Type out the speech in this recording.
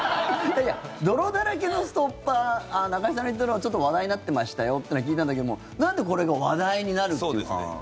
泥だらけのストッパー中居さんが言ったのがちょっと話題になってましたよっていうのは聞いたんだけどなんでこれが話題になる？というか。